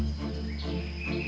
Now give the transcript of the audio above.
apa yang terjadi